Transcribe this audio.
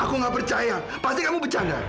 aku nggak percaya pasti kamu bercanda